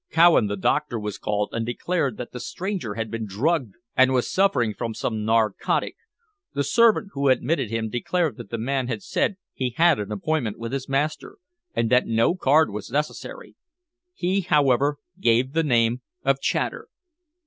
Cowan, the doctor, was called, and declared that the stranger had been drugged and was suffering from some narcotic. The servant who admitted him declared that the man had said he had an appointment with his master, and that no card was necessary. He, however, gave the name of Chater."